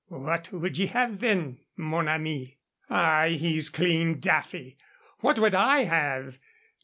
"What would ye have then, mon ami?" "Ah, he's clean daffy! What would I have?